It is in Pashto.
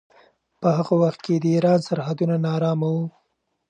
په هغه وخت کې د ایران سرحدونه ناارامه وو.